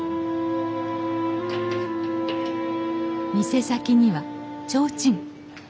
店先には提灯。